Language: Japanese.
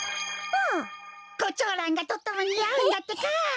コチョウランがとってもにあうんだってか！